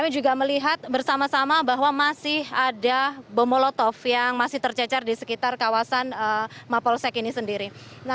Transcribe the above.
melihat bersama sama bahwa masih ada bomolotov yang masih tercecar di sekitar kawasan mapolsek ini sendiri